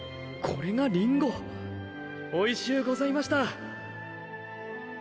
これが林檎おいしゅうございました